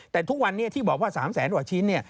แต่ทุกวันนี้ที่บอกว่า๓๐๐ตัวชิ้น